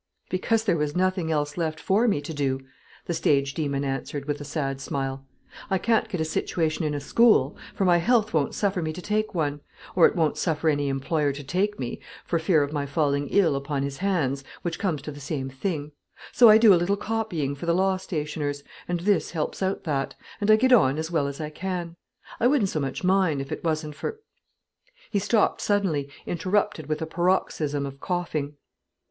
"Because there was nothing else left for me to do," the stage demon answered with a sad smile. "I can't get a situation in a school, for my health won't suffer me to take one; or it won't suffer any employer to take me, for fear of my falling ill upon his hands, which comes to the same thing; so I do a little copying for the law stationers, and this helps out that, and I get on as well as I can. I wouldn't so much mind if it wasn't for " He stopped suddenly, interrupted by a paroxysm of coughing.